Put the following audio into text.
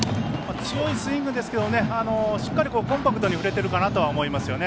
強いスイングですけどしっかり、コンパクトに振れてるかなとは思いますよね。